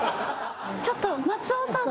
ちょっと松尾さん